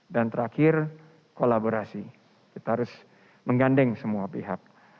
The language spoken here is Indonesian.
dan terakhir kolaborasi kita harus menggandeng semua pihak